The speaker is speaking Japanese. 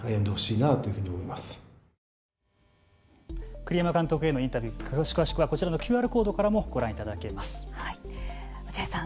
栗山監督へのインタビュー詳しくはこちらのＱＲコードからも落合さん